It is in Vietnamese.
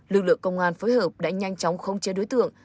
lực lượng công an phối hợp đã nhanh chóng khống chế đối tượng